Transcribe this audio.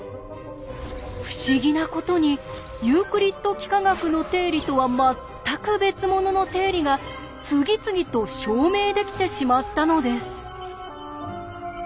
不思議なことにユークリッド幾何学の定理とは全く別物の定理が次々と証明できてしまったのです。